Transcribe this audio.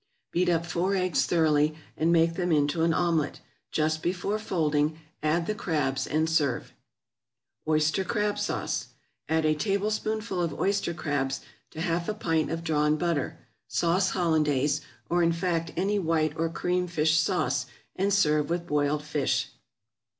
Beat up four eggs thoroughly, and make them into an omelet; just before folding, add the crabs, and serve. =Oyster Crab Sauce.= Add a tablespoonful of oyster crabs to half a pint of drawn butter, sauce hollandaise, or in fact any white or cream fish sauce, and serve with boiled fish.